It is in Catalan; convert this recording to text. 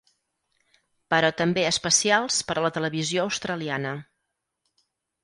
Però també especials per a la televisió australiana.